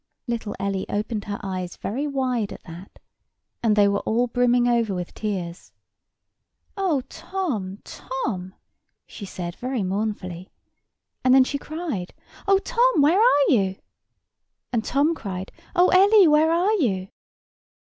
Little Ellie opened her eyes very wide at that, and they were all brimming over with tears. "Oh, Tom, Tom!" she said, very mournfully—and then she cried, "Oh, Tom! where are you?" And Tom cried, "Oh, Ellie, where are you?"